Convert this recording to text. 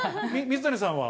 水谷さんは？